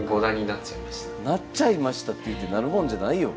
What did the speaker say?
なっちゃいましたっていってなるもんじゃないよ。